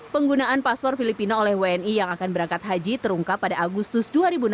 penggunaan paspor filipina oleh wni yang akan berangkat haji terungkap pada agustus dua ribu enam belas